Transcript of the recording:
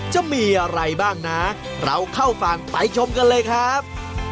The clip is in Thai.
จะมีอะไรบ้างนะเราเข้าฝั่งไปชมกันเลยครับ